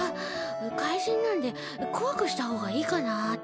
怪人なんでこわくしたほうがいいかなあって。